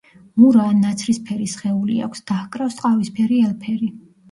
მურა ან ნაცრისფერი სხეული აქვს, დაჰკრავს ყავისფერი ელფერი.